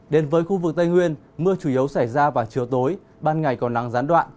đến với khu vực tây nguyên mưa chủ yếu xảy ra vào chiều tối ban ngày còn nắng gián đoạn